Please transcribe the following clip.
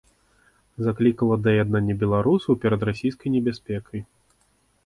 Заклікала да яднання беларусаў перад расійскай небяспекай.